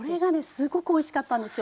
すごくおいしかったんですよ。